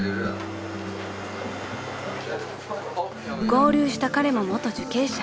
［合流した彼も元受刑者］